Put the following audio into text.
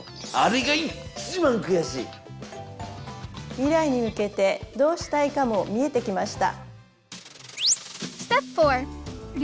未来に向けてどうしたいかも見えてきました。